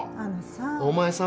お前さん